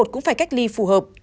cũng phải cách ly phù hợp